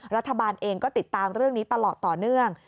รัฐบาลเองก็ติดตามเรื่องนี้ตลอดต่อเนื่อง